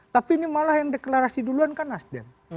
tapi ini malah yang deklarasi duluan kan nasdem